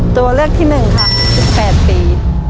ตัวเลือกที่หนึ่งครับ๑๘ปี